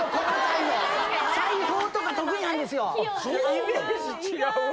イメージ違うわ。